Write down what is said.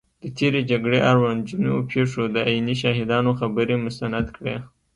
د تېرې جګړې اړوند ځینو پېښو د عیني شاهدانو خبرې مستند کړي